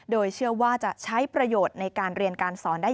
โดยเชื่อว่าจะใช้ประโยชน์ในการเรียนการสอนได้